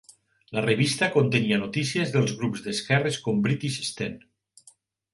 La revista contenia notícies dels grups d"esquerres com British Sten.